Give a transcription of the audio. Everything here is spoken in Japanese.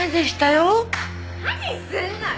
何するのよ！